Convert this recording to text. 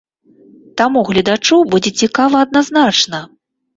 Таму гледачу будзе цікава адназначна!